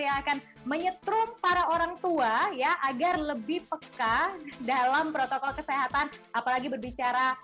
yang akan menyetrum para orang tua ya agar lebih peka dalam protokol kesehatan apalagi berbicara